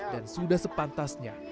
dan sudah sepantasnya